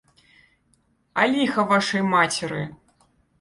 А ліха вашай мацеры!